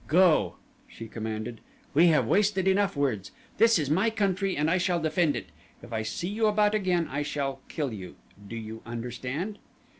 "Go!" she commanded. "We have wasted enough words. This is my country and I shall defend it. If I see you about again I shall kill you. Do you understand?"